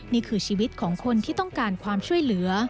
นี่คือชีวิตของคนที่ต้องการความช่วยเหลือ